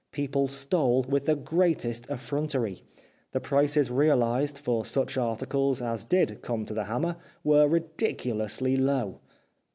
People stole with the greatest effrontery. The prices realised for such articles as did come to the hammer were ridiculously low.